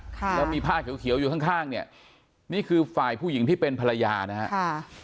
ค่ะแล้วมีผ้าเขียวเขียวอยู่ข้างข้างเนี่ยนี่คือฝ่ายผู้หญิงที่เป็นภรรยานะฮะค่ะ